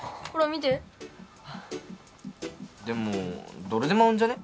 見てでもどれでも合うんじゃね？